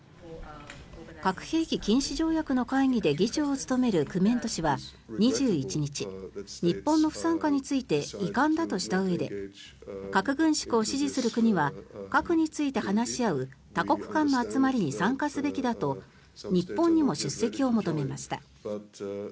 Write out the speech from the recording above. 核兵器禁止条約の会議で議長を務めるクメント氏は２１日、日本の不参加について遺憾だとしたうえで核軍縮を支持する国は核について話し合う多国間の集まりに参加すべきだと日本にも出席を求めました。